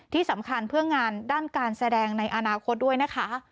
ที่สำคัญเพื่องานด้านการแสดงในอนาคตด้วยนะคะ